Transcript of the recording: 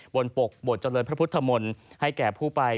ปกบทเจริญพระพุทธมนตร์ให้แก่ผู้ไป